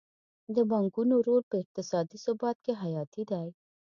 د بانکونو رول په اقتصادي ثبات کې حیاتي دی.